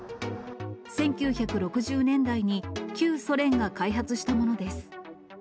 １９６０年代に旧ソ連が開発したものです。